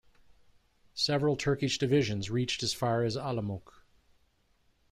Several Turkish divisions reached as far as Olomouc.